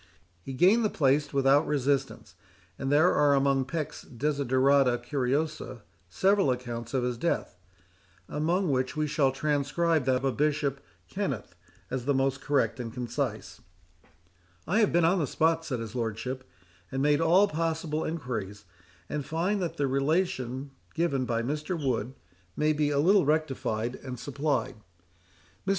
He gained the place without resistance; and there are among Peck's Desiderata Curiosa several accounts of his death, among which we shall transcribe that of Bishop Kenneth, as the most correct, and concise:—"I have been on the spot," saith his Lordship, "and made all possible enquiries, and find that the relation given by Mr. Wood may be a little rectified and supplied. "Mr.